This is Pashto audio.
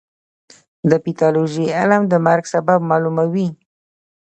د پیتالوژي علم د مرګ سبب معلوموي.